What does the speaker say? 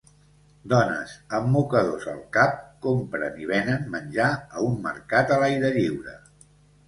Dones amb mocadors al cap compren i venen menjar a un mercat a l'aire lliure.